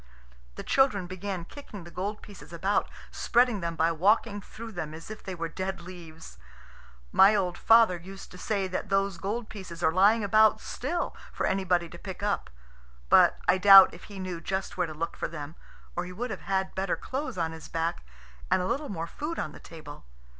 The children began kicking the gold pieces about, spreading them by walking through them as if they were dead leaves. My old father used to say that those gold pieces are lying about still for anybody to pick up; but I doubt if he knew just where to look for them, or he would have had better clothes on his back and a little more food on the table.